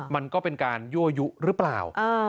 มันก็เป็นการยั่วยุหรือเปล่า